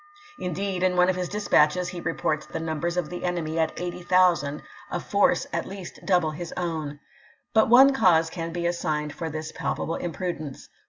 Indeed, in one of his dispatches he ^^01. x'.,^' reports the numbers of the enemy at 80,000, a force ^p?94.^" at least double his own. But one cause can be < assigned for this palpable imprudence.